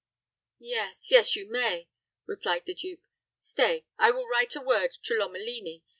"Yes yes, you may," replied the duke. "Stay; I will write a word to Lomelini.